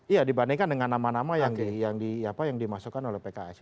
iya dibandingkan dengan nama nama yang di apa yang dimasukkan oleh pks